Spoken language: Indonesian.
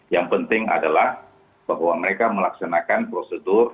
yang penting adalah bahwa mereka melaksanakan prosedur